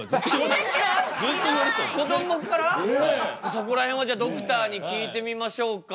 そこら辺はじゃあドクターに聞いてみましょうか。